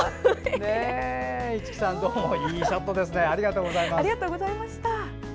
市来さん、いいショットをありがとうございました。